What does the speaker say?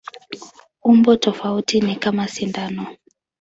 Umbo tofauti ni kama sindano.